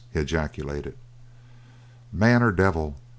he ejaculated. "Man or devil!